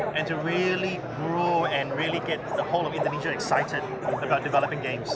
dan untuk membesarkan dan membuat semua orang di indonesia teruja dengan membuat game